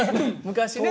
昔ね。